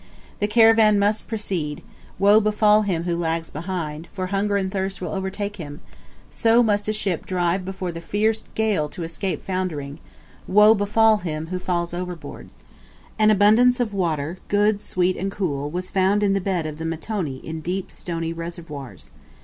The caravan must proceed woe befall him who lags behind, for hunger and thirst will overtake him so must a ship drive before the fierce gale to escape foundering woe befall him who falls overboard! An abundance of water, good, sweet, and cool, was found in the bed of the mtoni in deep stony reservoirs.